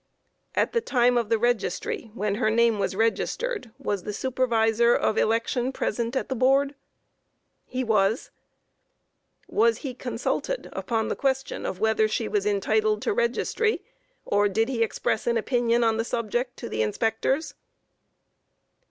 Q. At the time of the registry, when her name was registered, was the Supervisor of Election present at the Board? A. He was. Q. Was he consulted upon the question of whether she was entitled to registry, or did he express an opinion on the subject to the inspectors?